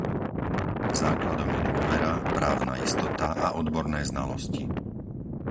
Základom je dôvera, právna istota a odborné znalosti.